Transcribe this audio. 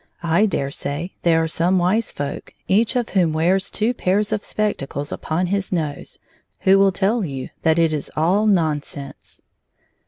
I dare say there are some wise folk, each of whom wears two pairs of spectacles upon his nose, who will tell you that it is all non sense.